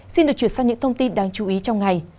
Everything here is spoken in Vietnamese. xin được chuyển sang những thông tin đáng chú ý trong ngày